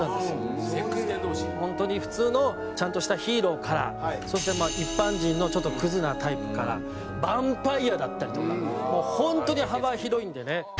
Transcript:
本当に普通のちゃんとしたヒーローからそして一般人のちょっとクズなタイプからヴァンパイアだったりとかもう本当に幅広いんでね。